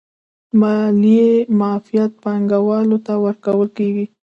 د مالیې معافیت پانګوالو ته ورکول کیږي